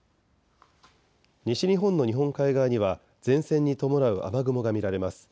西日本の日本海側には前線に伴う雨雲が見られます。